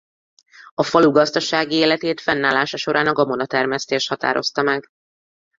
A falu gazdasági életét fennállása során a gabonatermesztés határozta meg.